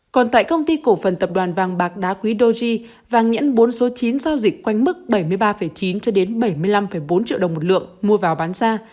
còn tại công ty cổ phần tập đoàn vàng bạc đá quý doji vàng nhẫn bốn số chín giao dịch quanh mức bảy mươi ba chín cho đến bảy mươi năm bốn triệu đồng một lượng mua vào bán ra